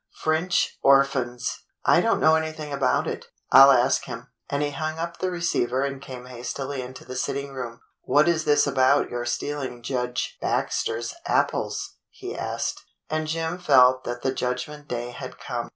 French orphans! I don't know anything about it. I'll ask him." And he hung up the receiver and came hastily into the sitting room. "W^hat is this about your stealing Judge Baxter's apples?" he asked. And Jim felt that the Judgment Day had come.